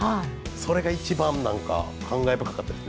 それが一番感慨深かったです。